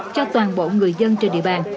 cho toàn bộ người dân trên địa bàn